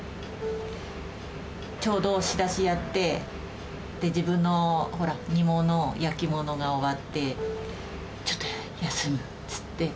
ちょうど仕出しやって、で、自分のほら、煮物、焼き物が終わって、ちょっと休むって言って。